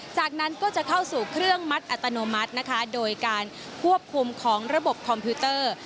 จากนั้นก็จะเข้าสู่เครื่องมัดอัตโนมัตินะคะโดยการควบคุมของระบบคอมพิวเตอร์